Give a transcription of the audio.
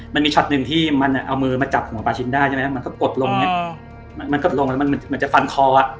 มันมีช็อตหนึ่งที่มันเอามือมาจับหัวปาชินได้มันก็กดลงมันก็ลงมันเหมือนจะฟันคอ